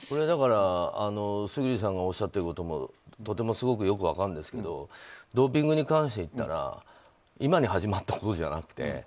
だから、村主さんがおっしゃっていることもとてもよく分かるんですけどもドーピングに関して言ったら今に始まったことじゃなくて。